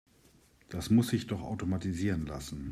Das muss sich doch automatisieren lassen.